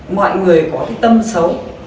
mọi người có cái tâm xấu